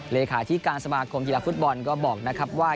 เลขาธิการสมาคมกีฬาฟุตบอลก็บอกนะครับว่า